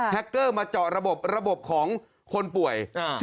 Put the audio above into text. เกอร์มาเจาะระบบของคนป่วย